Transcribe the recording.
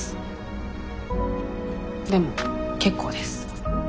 でも結構です。